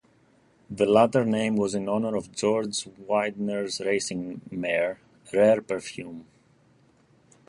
The latter name was in honor of George Widener's racing mare, Rare Perfume.